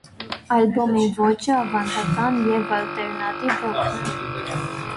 Ալբոմի ոճը ավանդական և ալտերնատիվ ռոքն է։